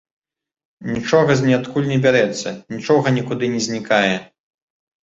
Нічога з неадкуль не бярэцца, нічога нікуды не знікае.